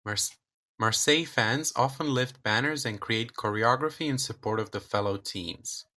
Marseille fans often lift banners and create choreography in support of the fellow teams.